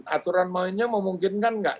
aturan mainnya memungkinkan enggak